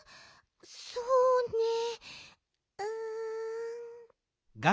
そうねえうん。